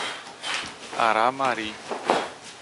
Aramari